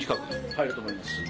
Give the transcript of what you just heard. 入ると思います。